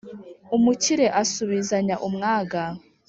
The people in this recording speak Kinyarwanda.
umukire asubizanya umwaga